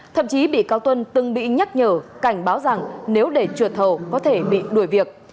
thậm chí bị cáo tuân từng bị nhắc nhở cảnh báo rằng nếu để trượt thầu có thể bị đuổi việc